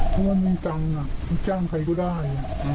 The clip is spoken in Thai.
คนมีจังจ้างใครก็ได้